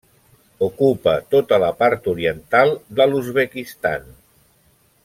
Ocupa tota la part oriental de l'Uzbekistan.